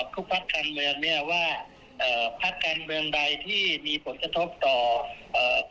ทุกคนมีความรู้สึกใกล้ทีกันนะครับ